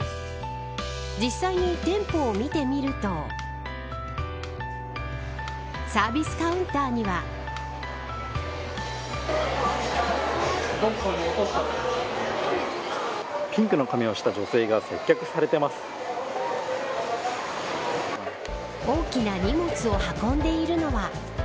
実際に店舗を見てみるとサービスカウンターにはピンクの髪をした女性が接客さ大きな荷物を運んでいるのは。